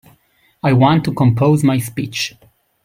I want to compose my speech.